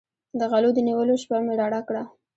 د غلو د نیولو شپه مې رڼه کړه.